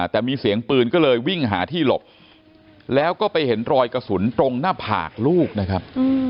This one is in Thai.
แต่มีเสียงปืนก็เลยวิ่งหาที่หลบแล้วก็ไปเห็นรอยกระสุนตรงหน้าผากลูกนะครับ